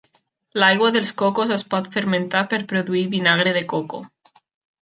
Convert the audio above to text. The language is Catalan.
L"aigua dels cocos es pot fermentar per produir vinagre de coco.